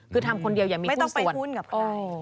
คือทำคนเดียวอย่างมีคุ้นส่วนไม่ต้องไปพูนกับใคร